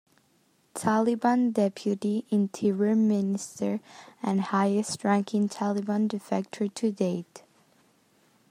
Taliban deputy interior minister, and "highest ranking Taliban defector to date".